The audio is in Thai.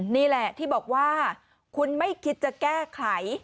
นี่แหละที่บอกว่าคุณไม่คิดจะแก้ไข